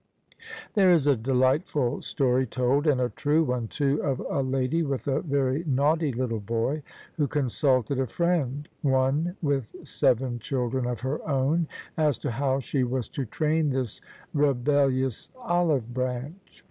There is a delightful story told (and a true one, too) of a lady with a very naughty little boy, who consulted a friend— one with seven children of her own — ^as to how she was to train this rebellious olive branch.